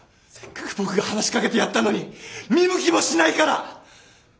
せっかく僕が話しかけてやったのに見向きもしないから！